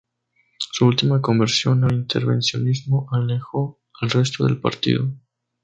Su última conversión al intervencionismo alejó al resto del partido.